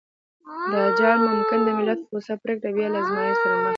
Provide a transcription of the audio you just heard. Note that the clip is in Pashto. دا جال ممکن د ملت غوڅه پرېکړه بيا له ازمایښت سره مخ کړي.